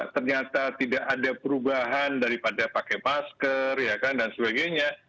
ternyata tidak ada perubahan daripada pakai masker dan sebagainya